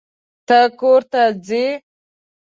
ته کورته ځې؟